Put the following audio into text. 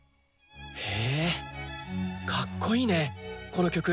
へえかっこいいねこの曲。